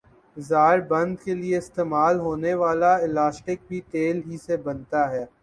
زار بند کیلئے استعمال ہونے والا الاسٹک بھی تیل ہی سے بنتا ھے